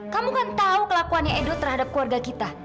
kamu kan tahu kelakuannya edw terhadap keluarga kita